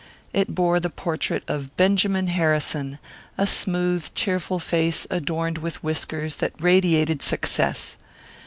It bore the portrait of Benjamin Harrison, a smooth, cheerful face adorned with whiskers that radiated success.